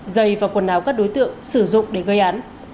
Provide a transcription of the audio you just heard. dây và quần áo các đối tượng sử dụng để gây án